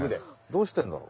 どうしてるんだろ？